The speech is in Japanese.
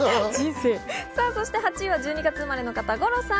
８位は１２月生まれの方、五郎さん。